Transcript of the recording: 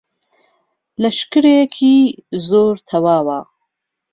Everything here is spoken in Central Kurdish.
لهشکرێکی زۆر تهواوه